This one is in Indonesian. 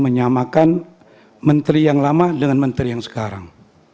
menyamakan menteri yang lama dengan menteri yang sekarang